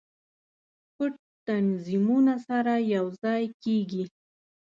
پټ تنظیمونه سره یو ځای کیږي.